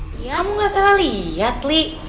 kamu gak salah liat li